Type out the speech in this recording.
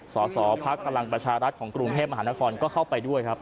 สสพลังประชารัฐของกรุงเทพมหานครก็เข้าไปด้วยครับ